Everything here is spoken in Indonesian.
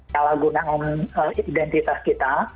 salah gunakan identitas kita